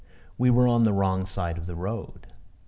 We were on the wrong side of the road.